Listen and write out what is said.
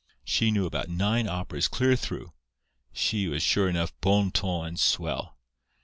She knew about nine operas clear through. She was sure enough bon ton and swell.